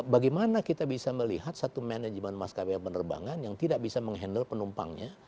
bagaimana kita bisa melihat satu manajemen maskapai penerbangan yang tidak bisa menghandle penumpangnya